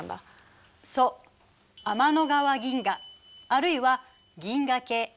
そう天の川銀河あるいは銀河系。